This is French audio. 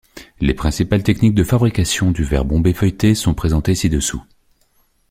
Les principales techniques de fabrication du verre bombé feuilleté sont présentées ci-dessous.